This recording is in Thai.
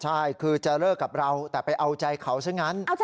ใช่คือจะเลิกกับเราแต่ไปเอาใจเขาซะงั้น